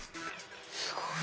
すごい。